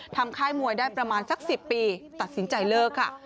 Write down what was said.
ค่ายมวยได้ประมาณสัก๑๐ปีตัดสินใจเลิกค่ะ